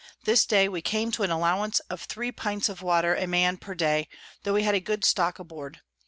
This day we came to an Allowance of three Pints of Water a Man per day, tho we had a good stock aboard.